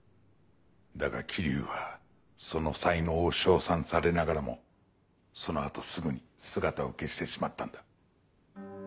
だが霧生はその才能を称賛されながらもその後すぐに姿を消してしまったんだ。